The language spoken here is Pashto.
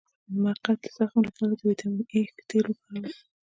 د مقعد د زخم لپاره د ویټامین اي تېل وکاروئ